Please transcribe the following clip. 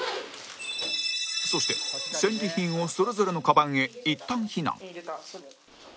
そして戦利品をそれぞれのカバンへいったん避難